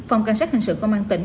ông cảnh sát hành sự công an tỉnh